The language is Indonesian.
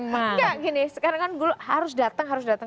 maka gini sekarang kan harus datang harus datang